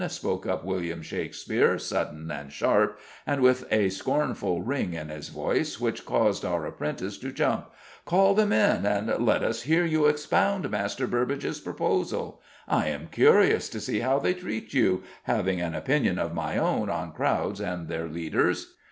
spoke up William Shakespeare, sudden and sharp, and with a scornful ring in his voice which caused our apprentice to jump. "Call them in and let us hear you expound Master Burbage's proposal. I am curious to see how they treat you having an opinion of my own on crowds and their leaders."